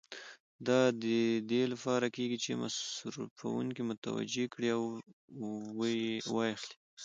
دا د دې لپاره کېږي چې مصرفوونکي متوجه کړي او و یې اخلي.